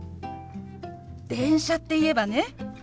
「電車」っていえばね